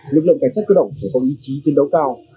lực lượng cảnh sát cơ động sẽ có ý chí chiến đấu cao